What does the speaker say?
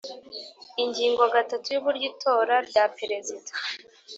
Ingingo gatatu y’Uburyo itora rya Perezida